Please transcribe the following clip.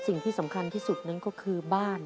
สิ่งที่สำคัญที่สุดนั้นก็คือบ้าน